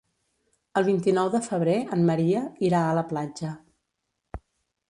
El vint-i-nou de febrer en Maria irà a la platja.